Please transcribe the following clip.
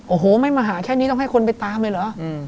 โอ้โหไม่มาหาแค่นี้ต้องให้คนไปตามเลยเหรอ